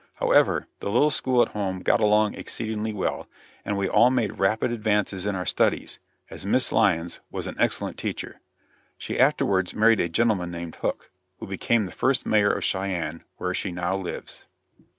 However, the little school at home got along exceedingly well, and we all made rapid advances in our studies, as Miss Lyons was an excellent teacher. She afterwards married a gentleman named Hook, who became the first mayor of Cheyenne, where she now lives.